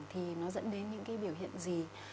thì nó dẫn đến những biểu hiện gì